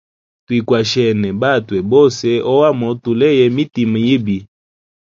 Twikwashene batwe bose ohamo tuleye mitima yibi.